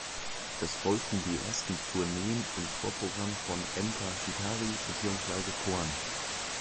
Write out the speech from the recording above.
Es folgten die ersten Tourneen im Vorprogramm von Enter Shikari beziehungsweise Korn.